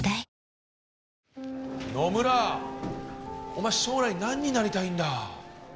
お前将来何になりたいんだ？